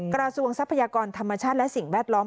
ทรัพยากรธรรมชาติและสิ่งแวดล้อม